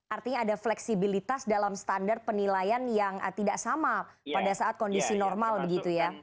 artinya ada fleksibilitas dalam standar penilaian yang tidak sama pada saat kondisi normal begitu ya